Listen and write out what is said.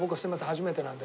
初めてなので。